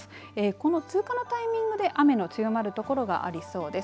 この通過のタイミングで雨の強まるところがありそうです。